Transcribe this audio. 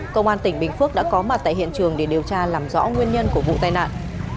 công an tỉnh bình phước đã có mặt tại hiện trường để điều tra làm rõ nguyên nhân của vụ tai nạn